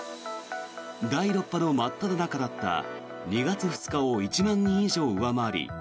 第６波の真っただ中だった２月２日を１万人以上上回り